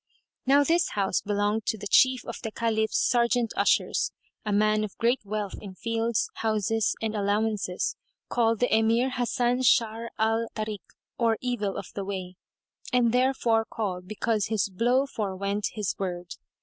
Now this house belonged to the Chief of the Caliph's Serjeant ushers, a man of great wealth in fields, houses and allowances, called the Emir Hasan Sharr al Tarík, or Evil of the Way, and therefor called because his blow forewent his word.